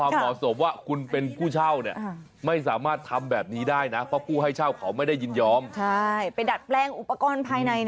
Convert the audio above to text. ไม่ใช่ประเด็น